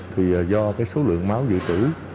thì do cái số lượng máu dự trữ